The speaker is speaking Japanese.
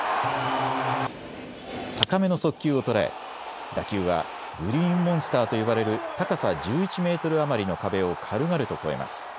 高めの速球を捉え打球はグリーンモンスターと呼ばれる高さ１１メートル余りの壁を軽々と越えます。